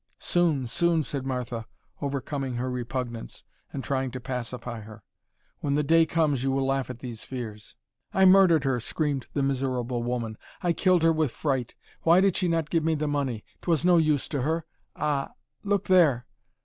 "Soon, soon," said Martha, overcoming her repugnance and trying to pacify her. "When the day comes you will laugh at these fears." "I murdered her," screamed the miserable woman, "I killed her with fright. Why did she not give me the money? 'Twas no use to her. Ah! Look there!"